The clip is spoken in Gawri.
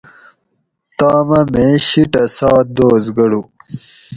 تامہۤ میں شیٹہ سات دوس گۤڑو